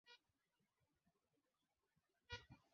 ya kumuwekea vikwazo vya kiuchumi hasimu wake